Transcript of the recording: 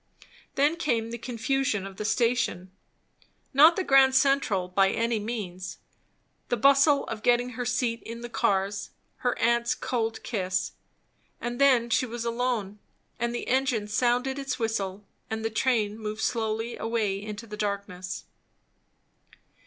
Then came the confusion of the Station not the Grand Central by any means; the bustle of getting her seat in the cars; her aunt's cold kiss. And then she was alone, and the engine sounded its whistle, and the train slowly moved away into the darkness.